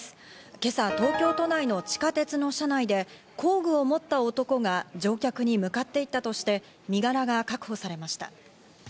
今朝、東京都内の地下鉄の車内で工具を持った男が乗客に向かっていったとして身柄が確保されました。